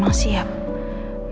mendengarkan apa yang lo lakukan